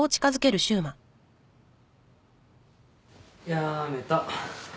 やめた。